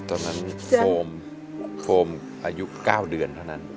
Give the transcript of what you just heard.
ตอนนั้นโฟมอายุ๙เดือนเท่านั้น